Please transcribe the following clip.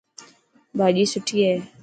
ڀاڄي سٺي هي.